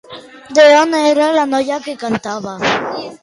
D'on era la noia que cantava?